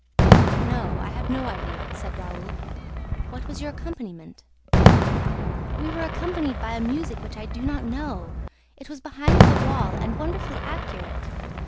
"No, I have no idea," said Raoul. "What was your accompaniment?" "We were accompanied by a music which I do not know: it was behind the wall and wonderfully accurate.